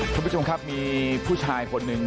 คุณผู้ชมครับมีผู้ชายคนหนึ่ง